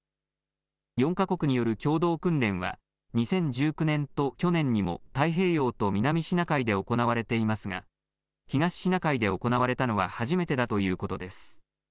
４か国による共同訓練は、２０１９年と去年にも、太平洋と南シナ海で行われていますが、東シナ海で行われたのは初めてだということです。